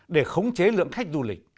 để khống chế lượng khách du lịch